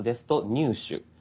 「入手」。